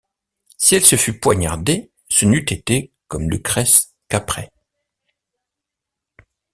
Si elle se fût poignardée, ce n’eût été, comme Lucrèce, qu’après.